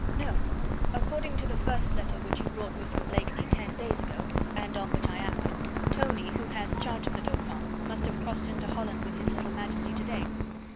"No. According to the first letter which you brought me from Blakeney ten days ago, and on which I acted, Tony, who has charge of the Dauphin, must have crossed into Holland with his little Majesty to day."